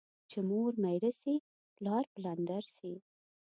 چي مور ميره سي ، پلار پلندر سي.